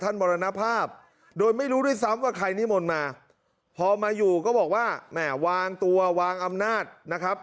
มรณภาพโดยไม่รู้ด้วยซ้ำว่าใครนิมนต์มาพอมาอยู่ก็บอกว่าแหม่วางตัววางอำนาจนะครับ